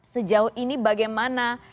sejauh ini bagaimana